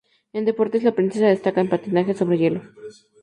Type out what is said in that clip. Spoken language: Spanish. En deportes, la princesa destaca en patinaje sobre hielo.